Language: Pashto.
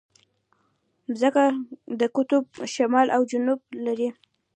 مځکه د قطب شمال او جنوب لري.